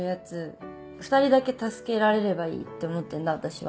２人だけ助けられればいいって思ってんだ私は。